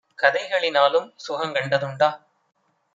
கதைகளி னாலும் சுகங்கண்ட துண்டா?